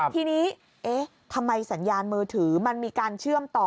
ทีนี้เอ๊ะทำไมสัญญาณมือถือมันมีการเชื่อมต่อ